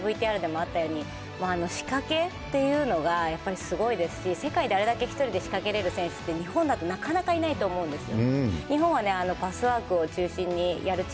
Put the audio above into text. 途中から出ることが非常に多いんですけど、先ほどのＶＴＲでもあったように、仕掛けっていうのがやっぱりすごいですし、世界であれだけ１人で仕掛けられる選手って、日本だとなかなかいないと思うんですよ。